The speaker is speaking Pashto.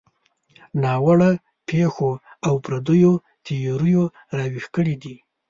ناوړه پېښو او پردیو تیریو راویښ کړي دي.